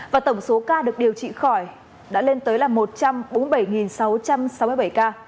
và tổng số ca được điều trị khỏi đã lên tới là một trăm bốn mươi bảy sáu trăm sáu mươi bảy ca